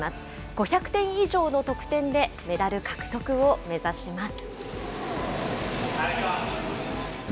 ５００点以上の得点でメダル獲得を目指します。